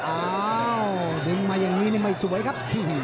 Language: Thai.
อ้าวดึงมาอย่างนี้นี่ไม่สวยครับ